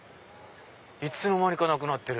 いつの間にかなくなってる。